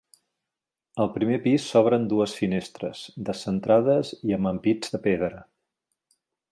Al primer pis s'obren dues finestres, descentrades i amb ampits de pedra.